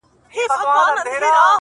بيزو وان چي سو پناه د دېوال شا ته؛